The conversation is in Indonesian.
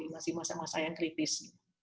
masih masa masa yang kritis